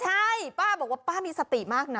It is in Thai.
ใช่ป้าบอกว่าป้ามีสติมากนะ